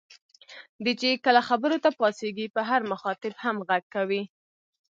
دی چې کله خبرو ته پاڅېږي په هر مخاطب هم غږ کوي.